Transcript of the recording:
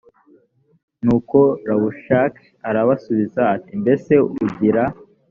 nuko rabushake arabasubiza ati mbese ugira